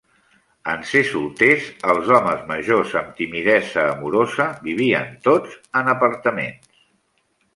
En ser solters, els homes majors amb timidesa amorosa vivien tots en apartaments.